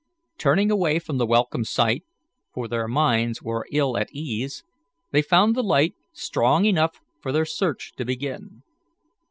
Turning away from the welcome sight for their minds were ill at ease they found the light strong enough for their search to begin.